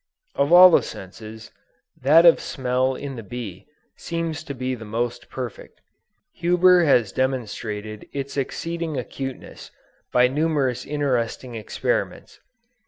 Of all the senses, that of smell in the bee, seems to be the most perfect. Huber has demonstrated its exceeding acuteness, by numerous interesting experiments.